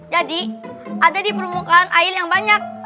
jadi ada di permukaan air yang banyak